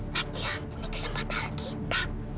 lagi yang ini kesempatan kita